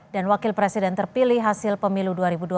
dan wakil presiden terpilih hasil pemilu dua ribu dua puluh empat